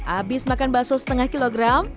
abis makan bakso setengah kilogram